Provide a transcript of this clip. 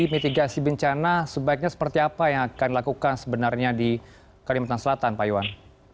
mitigasi bencana sebaiknya seperti apa yang akan dilakukan sebenarnya di kalimantan selatan pak iwan